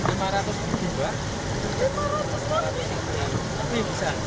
ini aromatrasinya khas sekali